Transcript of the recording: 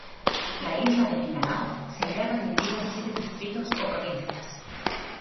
La isla de Mindanao se hallaba dividida en siete distritos ó provincias.